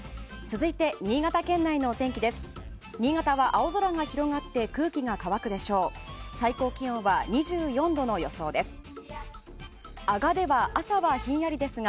続いて、新潟県内のお天気です。